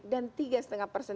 dan tiga setengah persen